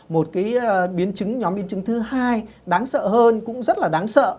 một cái nhóm biến chứng thứ hai đáng sợ hơn cũng rất là đáng sợ